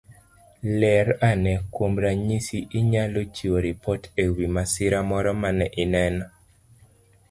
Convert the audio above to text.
Ler ane. Kuom ranyisi, inyalo chiwo ripot e wi masira moro mane ineno